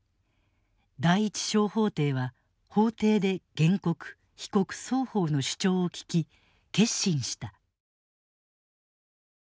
第一小法廷は法廷で原告・被告双方の主張を聞き結審した。